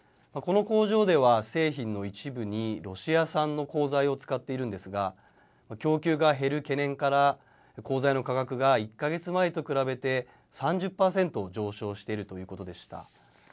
この工場では製品の一部にロシア産の鋼材を使っているんですが、供給が減る懸念から、鋼材の価格が、１か月前と比べて３０％上昇しているということでした。